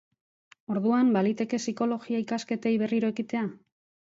Orduan, baliteke psikologia ikasketei berriro ekitea?